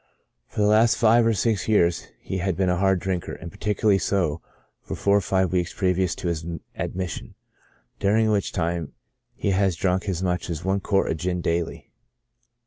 For the last five or six years he had been a hard drinker, and particularly so for four or five weeks previous to his admission, during which time he has drunk as much as one quart of gin daily.